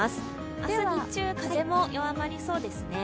明日日中は風も弱まりそうですね。